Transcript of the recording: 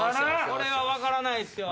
これは分からないっすよ。